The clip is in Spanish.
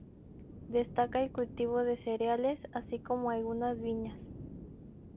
Destaca el cultivo de cereales, así como algunas viñas.